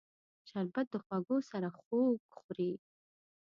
شربت د خوږو سره خوږ خوري